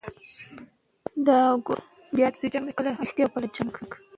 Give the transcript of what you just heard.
که مادیې ته ارزښت ورکوو، نو پوهه ساه نیسي.